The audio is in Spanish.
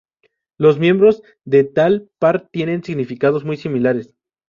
Los miembros de tal par tienen significados muy similares.